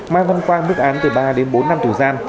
mai văn quang bức án từ ba bốn năm tù gian